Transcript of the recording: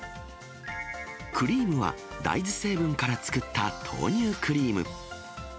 クリームは大豆成分から作った豆乳クリーム。